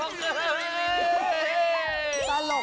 ตลกกับบ้าน